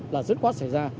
là rứt quát xảy ra